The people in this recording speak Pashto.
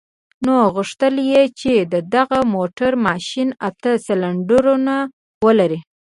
نو غوښتل يې چې د دغه موټر ماشين اته سلنډرونه ولري.